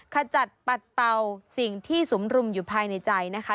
ขจัดปัดเป่าสิ่งที่สุมรุมอยู่ภายในใจนะคะ